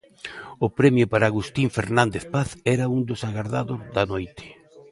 O premio para Agustín Fernández Paz era un dos agardados da noite.